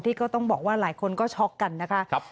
ก็ต้องบอกว่าหลายคนก็ช็อกกันนะคะ